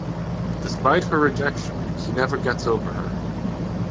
Despite her rejection, he never gets over her.